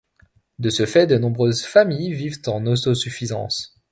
De ce fait de nombreuses familles vivent en autosuffisance.